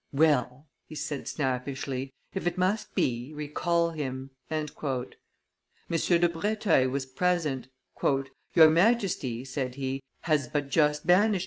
"Well!" he said, snappishly, "if it must be, recall him." M. de Breteuil was present. "Your Majesty," said he, "has but just banished M.